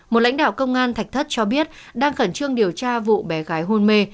một lãnh đạo công an thạch thất cho biết đang khẩn trương điều tra vụ bé gái hôn mê